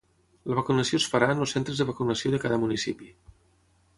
La vacunació es farà en els centres de vacunació de cada municipi.